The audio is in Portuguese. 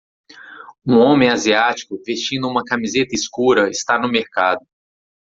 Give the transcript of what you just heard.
Um homem asiático vestindo uma camiseta escura está no mercado.